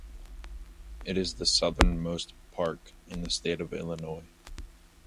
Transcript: It is the southernmost park in the state of Illinois.